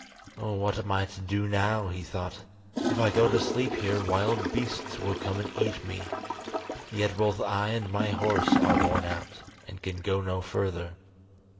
"What am I to do now?" he thought. "If I go to sleep here wild beasts will come and eat me! Yet both I and my horse are worn out, and can go no further."